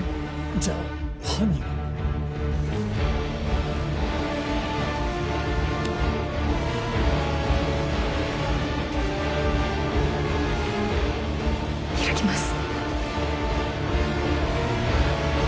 じゃあ犯人が⁉開きます。